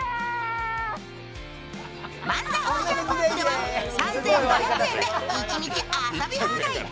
万座オーシャンパークでは３５００円で一日遊び放題。